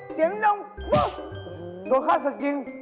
เสียงน้องฟึ้นโดนฆ่าศึกจริง